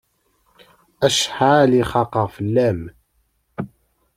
Acḥal i xaqeɣ fell-am!